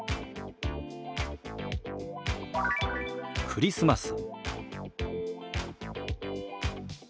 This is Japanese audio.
「クリスマス」。